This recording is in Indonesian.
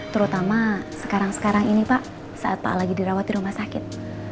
terutama sekarang sekarang ini pak saat pak lagi dirawat di rumah sakit